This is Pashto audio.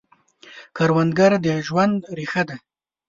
کروندګر د ژوند ریښه ده